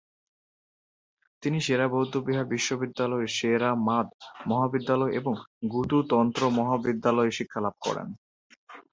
তিনি সেরা বৌদ্ধবিহার বিশ্ববিদ্যালয়ের সে-রা-মাদ মহাবিদ্যালয় এবং গ্যুতো তন্ত্র মহাবিদ্যালয়ে শিক্ষালাভ করেন।